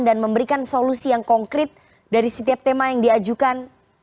dan memberikan solusi yang konkret dari setiap tema yang diajukan